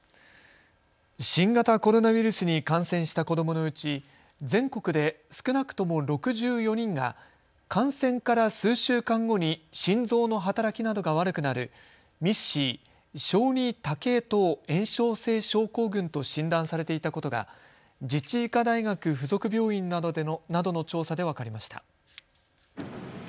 新型コロナウイルスに感染した子どものうち全国で少なくとも６４人が感染から数週間後に心臓の働きなどが悪くなるＭＩＳ−Ｃ・小児多系統炎症性症候群と診断されていたことが自治医科大学附属病院などの調査で分かりました。